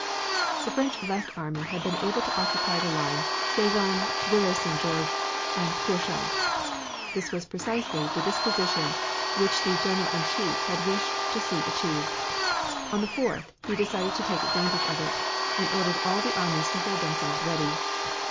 The French left army had been able to occupy the line Sezanne, Villers St. Georges and Courchamps. This was precisely the disposition which the General in Chief had wished to see achieved. On the 4th he decided to take advantage of it, and ordered all the armies to hold themselves ready.